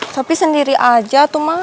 sopi sendiri aja tuh ma